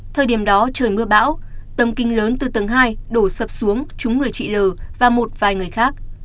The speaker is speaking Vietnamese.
thời điểm đó trời mưa bão tầm kinh lớn từ tầng hai đổ sập xuống trúng người chị l và một vài người khác